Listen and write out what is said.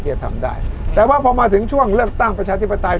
จะทำได้แต่ว่าพอมาถึงช่วงเลือกตั้งประชาธิปไตย